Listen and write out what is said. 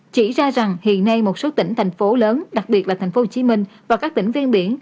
chỉ ra rằng hiện nay một số tỉnh thành phố lớn đặc biệt là thành phố hồ chí minh và các tỉnh ven biển